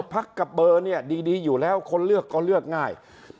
พักกับเบอร์เนี่ยดีอยู่แล้วคนเลือกก็เลือกง่าย